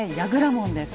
門です。